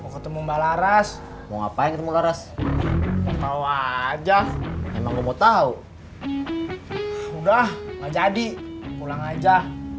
ketemu mbak laras mau ngapain ketemu laras tahu aja mau tahu udah nggak jadi pulang aja